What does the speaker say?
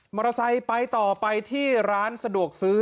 มอเตอร์ไซค์ไปต่อไปที่ร้านสะดวกซื้อ